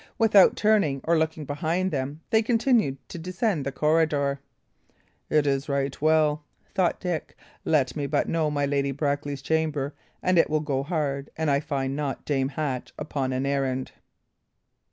Without turning or looking behind them, they continued to descend the corridor. "It is right well," thought Dick. "Let me but know my Lady Brackley's chamber, and it will go hard an I find not Dame Hatch upon an errand."